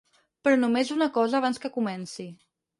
Però només una cosa abans que comenci.